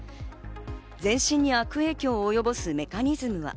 全身に悪影響を及ぼすメカニズムは？